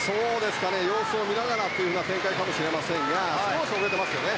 様子を見ながらという展開かもしれませんが少し遅れてますね。